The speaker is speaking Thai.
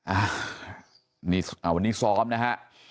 อ่านี่วันนี้ซ้อมนะฮะ